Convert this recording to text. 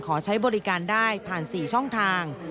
ใช้บริการได้ผ่าน๔ช่องทาง